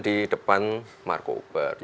di depan markobar